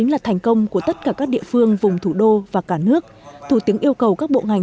là thành công của tất cả các địa phương vùng thủ đô và cả nước thủ tướng yêu cầu các bộ ngành